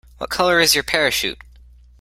What colour is your parachute?